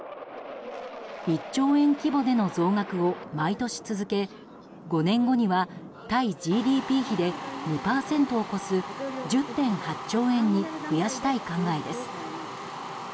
１兆円規模での増額を毎年続け５年後には対ＧＤＰ比で２％を超す１０．８兆円に増やしたい考えです。